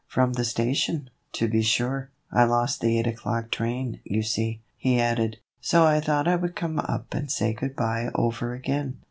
" From the station, to be sure. I lost the eight o'clock train, you see," he added, " so I thought I would come up and say good by over again."